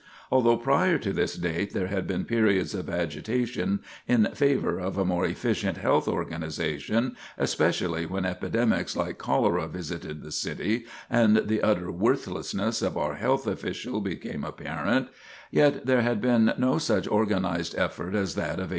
Although prior to this date there had been periods of agitation in favor of a more efficient health organization, especially when epidemics, like cholera, visited the city and the utter worthlessness of our health officials became apparent, yet there had been no such organized effort as that of 1864.